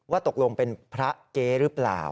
ว่าตกลงเป็นพระเกรรึเปล่า